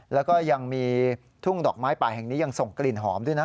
แล้วก็ยังมีทุ่งดอกไม้ป่าแห่งนี้ยังส่งกลิ่นหอมด้วยนะ